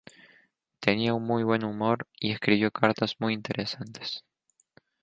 Tenía un muy buen humor y escribió cartas muy interesantes.